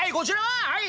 はい！